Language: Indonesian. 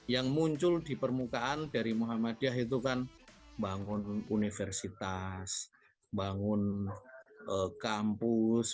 yang muncul di permukaan dari muhammadiyah itu kan bangun universitas bangun kampus